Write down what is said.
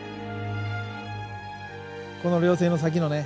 この稜線の先のね